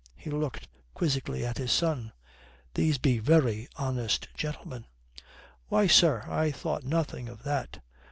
He looked quizzically at his son. "These be very honest gentlemen." "Why, sir, I thought nothing of that.